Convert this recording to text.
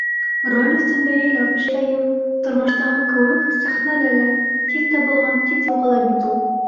Роль өҫтөндә яйлап эшләйем, тормоштағы кеүек, сәхнәлә лә тиҙ табылған тиҙ юғала бит ул.